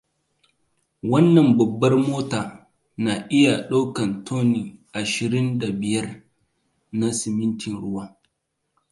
Wannan babbar mota na iya daukan tonne ashirin da biyar na simintin ruwa.